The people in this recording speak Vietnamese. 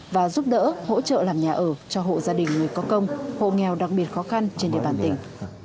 và giúp đỡ hỗ trợ làm nhà ở cho hộ gia đình người có công hộ nghèo đặc biệt khó khăn trên địa bàn tỉnh